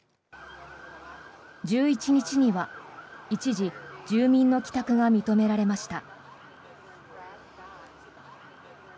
１１日には一時、住民の帰宅が認められました。